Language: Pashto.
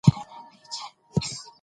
د سړي انګېرنې دي.